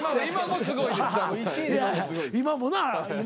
今もなぁ。